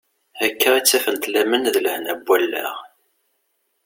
Akka i ttafent laman d lehna n wallaɣ.